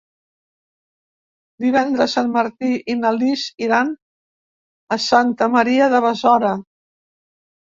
Divendres en Martí i na Lis iran a Santa Maria de Besora.